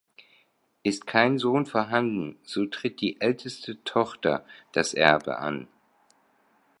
Ist kein Sohn vorhanden, so tritt die älteste Tochter das Erbe an.